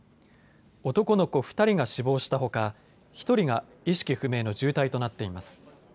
男の子２人が死亡したほか１人が意識不明の重体となっています。